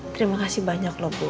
terima kasih banyak bu